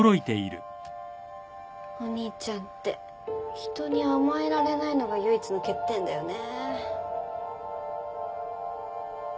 お兄ちゃんって人に甘えられないのが唯一の欠点だよね。